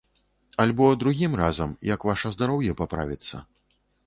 Альбо другім разам, як ваша здароўе паправіцца?